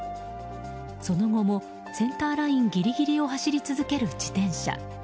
その後も、センターラインギリギリを走り続ける自転車。